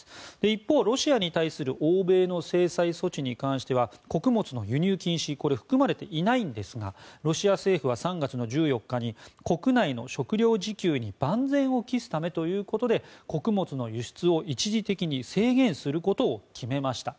一方、ロシアに対する欧米の制裁措置に関しては穀物の輸入禁止は含まれていないんですがロシア政府は３月１４日に国内の食糧自給に万全を期すためということで穀物の輸出を一時的に制限することを決めました。